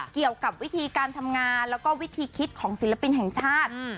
เกี่ยวกับวิธีการทำงานแล้วก็วิธีคิดของศิลปินแห่งชาติ